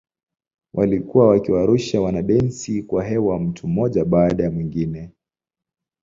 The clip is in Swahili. Walikuwa wakiwarusha wanadensi kwa hewa mtu mmoja baada ya mwingine.